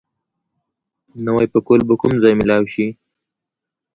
نوی پکول به کوم ځای مېلاو شي؟